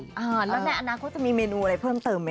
แล้วในอนาคตจะมีเมนูอะไรเพิ่มเติมไหม